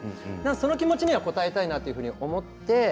その気持ちには応えたいなと思って。